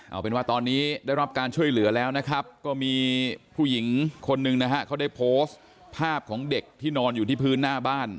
เอาเป็นว่าตอนนี้ได้รับการช่วยเหลือแล้วนะครับก็มีผู้หญิงคนหนึ่งนะฮะเขาได้โพสต์ภาพของเด็กที่นอนอยู่ที่พื้นหน้าบ้าน